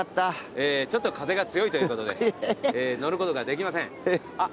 ちょっと風が強いということで乗ることができません。